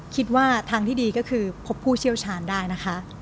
คิดว่าทางที่ดีก็คือพบผู้เชี่ยวชาญได้นะคะ